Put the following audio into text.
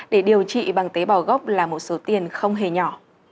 để điều trị bằng tế bào gốc là một số tiền không hề nhỏ